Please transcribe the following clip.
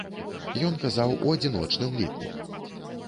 Ён казаў у адзіночным ліку.